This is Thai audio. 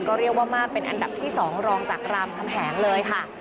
ก็เรียกว่ามากเป็นอันดับที่๒รองจากรามคำแหงเลยค่ะ